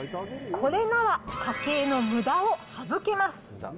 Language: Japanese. これなら家計のむだを省けます。